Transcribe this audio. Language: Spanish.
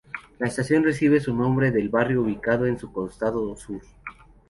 La estación recibe su nombre del barrio ubicado en su costado sur.